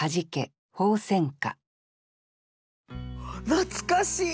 懐かしい！